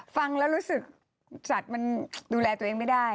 ฟังแล้วรู้สึกสัตว์มันดูแลตัวเองไม่ได้